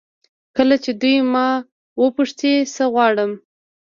کله چې دوی ما وپوښتي څه غواړم.